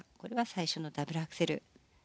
最初のダブルアクセル。